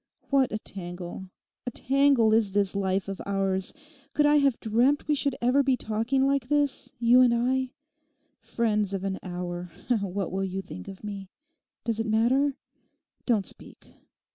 What a tangle—a tangle is this life of ours. Could I have dreamt we should ever be talking like this, you and I? Friends of an hour. What will you think of me? Does it matter? Don't speak.